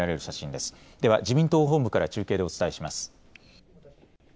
では、自民党部から中継でお伝えします。